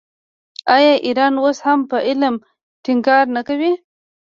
آیا ایران اوس هم په علم ټینګار نه کوي؟